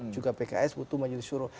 juga pks butuh majul shuru